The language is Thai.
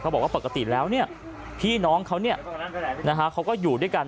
เขาบอกว่าปกติแล้วเนี่ยพี่น้องเขาเนี่ยนะคะเขาก็อยู่ด้วยกัน